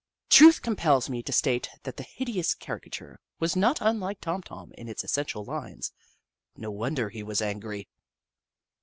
Truth compels me to state that the hideous caricature was not unlike Tom Tom in its essential lines. No wonder he was angry